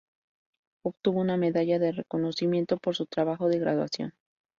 Obtuvo una medalla de reconocimiento por su trabajo de graduación.